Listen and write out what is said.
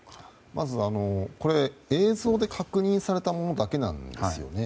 まず、これは映像で確認されたものだけなんですね。